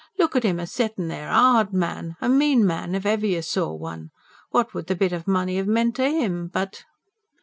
Look at him a setting there a hard man, a mean man, if ever you saw one! What would the bit of money 'ave meant to 'im? But